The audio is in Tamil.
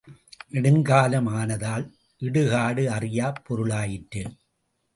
நெடுங்காலம் ஆனதால் இடுகாடு அறியாப் பொருளாயிற்று.